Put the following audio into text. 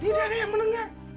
tidak ada yang mendengar